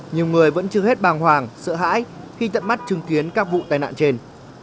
nhiều người vẫn chưa hết bàng hoàng sợ hãi khi tận mắt chứng kiến các vụ tai nạn trên